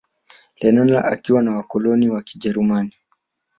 Lenana akiwa na wakoloni wa kijerumani